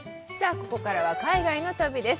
ここからは海外の旅です。